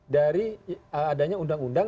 dari adanya undang undang